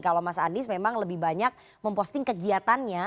kalau mas anies memang lebih banyak memposting kegiatannya